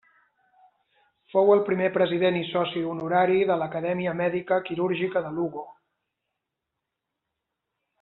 Fou el primer President i Soci Honorari de l'Acadèmia Mèdica Quirúrgica de Lugo.